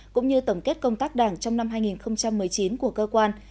cũng như tổng kết công tác đảng trong năm hai nghìn một mươi chín của cơ quan